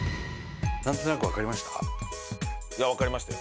なんとなくわかりました？